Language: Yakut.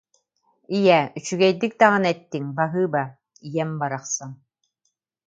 Ийээ, үчүгэйдик даҕаны эттиҥ, баһыыба, ийэм барахсан